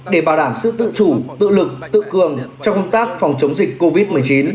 để bảo đảm sự tự chủ tự lực tự cường trong công tác phòng chống dịch covid một mươi chín